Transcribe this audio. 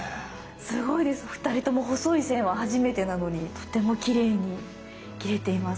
すごいです２人とも細い線は初めてなのにとてもきれいに切れています。